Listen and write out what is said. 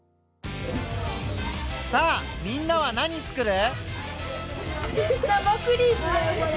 さあみんなは何つくる？